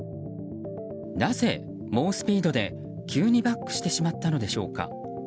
なぜ猛スピードで、急にバックしてしまったのでしょうか。